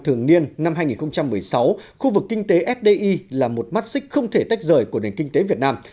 thường niên năm hai nghìn một mươi sáu khu vực kinh tế fdi là một mắt xích không thể tách rời của nền kinh tế việt nam